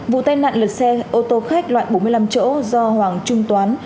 vụ tai nạn lật xe ô tô khách loại bốn mươi năm chỗ do hoàng trung toán